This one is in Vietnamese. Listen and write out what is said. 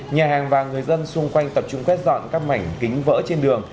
nhà hàng và người dân xung quanh tập trung quét dọn các mảnh kính vỡ trên đường